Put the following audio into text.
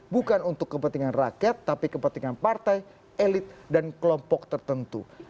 bukan untuk kepentingan rakyat tapi kepentingan partai elit dan kelompok tertentu